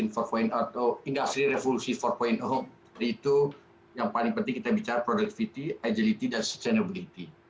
indonesia revolusi empat industri revolusi empat itu yang paling penting kita bicara productivity agility dan sustainability